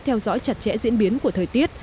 theo dõi chặt chẽ diễn biến của thời tiết